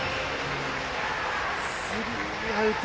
スリーアウト。